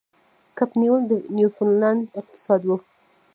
کب نیول د نیوفونډلینډ اقتصاد و.